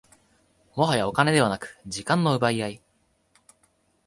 もはやお金ではなく時間の奪い合い